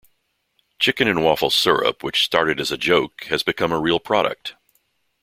Chicken 'N Waffles syrup-which started as a joke-has become a real product.